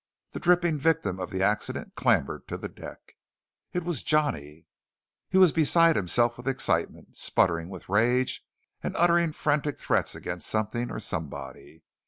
The dripping victim of the accident clambered to the deck. It was Johnny! He was beside himself with excitement, sputtering with rage and uttering frantic threats against something or somebody.